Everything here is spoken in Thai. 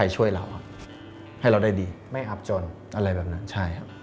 ช่วยเราให้เราได้ดีไม่อับจนอะไรแบบนั้นใช่ครับ